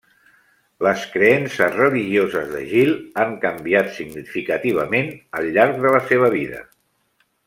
Les creences religioses de Gil han canviat significativament al llarg de la seva vida.